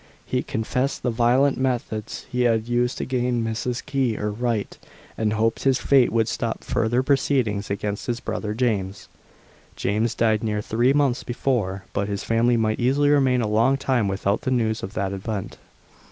He confessed the violent methods he had used to gain Mrs. Key, or Wright, and hoped his fate would stop further proceedings against his brother James.* * James died near three months before, but his family might easily remain a long time without the news of that event.